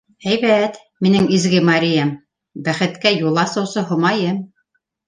- Һәйбәт, минең изге Мариям, бәхеткә юл асыусы Һомайым!